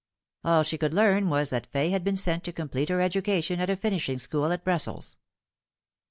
All she could learn was that Fay had been sent to complete her education at a finishing school at Brussels.